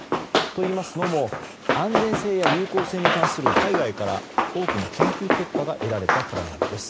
といいますのも安全性や有効性に関する海外から多くの研究結果が得られたからなんです。